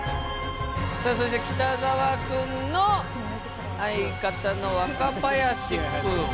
さあそれじゃあ北澤君の相方の若林君。